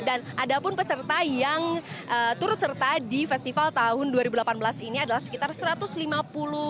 dan ada pun peserta yang turut serta di festival tahun dua ribu delapan belas ini adalah sekitar seratus orang